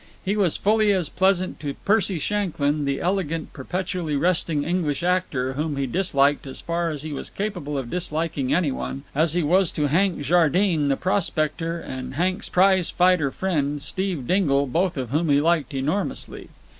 He was fully as pleasant to Percy Shanklyn, the elegant, perpetually resting English actor, whom he disliked as far as he was capable of disliking any one, as he was to Hank Jardine, the prospector, and Hank's prize fighter friend, Steve Dingle, both of whom he liked enormously.